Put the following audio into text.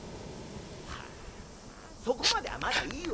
はあそこまではまだいいわよ。